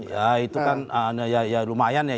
ya itu kan ya lumayan ya